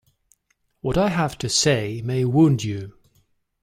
What I have to say may wound you.